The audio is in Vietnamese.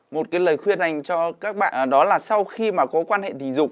một cái lời khuyên dành cho các bạn đó là sau khi mà có quan hệ tình dục